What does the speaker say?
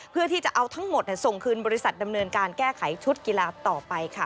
เพื่อที่จะเอาทั้งหมดส่งคืนบริษัทดำเนินการแก้ไขชุดกีฬาต่อไปค่ะ